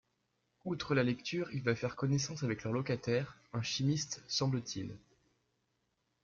Outre la lecture il va faire connaissance avec leur locataire, un chimiste semble-t-il.